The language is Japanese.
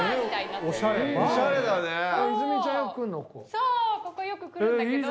そうここよく来るんだけど。